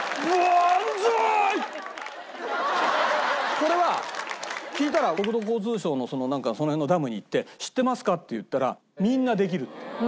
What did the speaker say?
これは聞いたら国土交通省のその辺のダムに行って「知ってますか？」って言ったらみんなできるって。